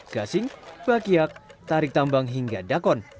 gasing bakiak tarik tambang hingga dakon